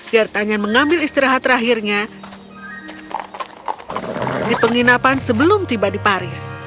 diartanya mengambil istirahat terakhirnya di penginapan sebelum tiba di paris